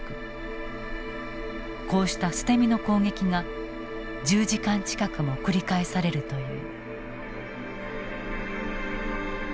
こうした捨て身の攻撃が１０時間近くも繰り返されるという。